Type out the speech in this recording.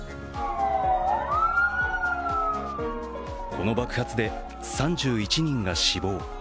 この爆発で３１人が死亡。